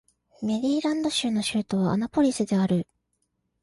メリーランド州の州都はアナポリスである